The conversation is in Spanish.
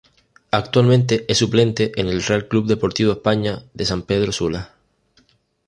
Actualmente es suplente en el Real Club Deportivo España de San Pedro Sula.